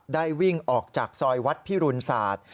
วิ่งออกจากซอยวัดพิรุณศาสตร์